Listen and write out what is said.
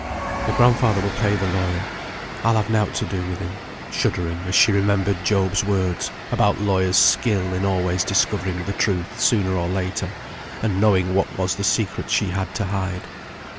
"Your grandfather will pay the lawyer. I'll have nought to do with him," shuddering as she remembered Job's words, about lawyers' skill in always discovering the truth, sooner or later; and knowing what was the secret she had to hide.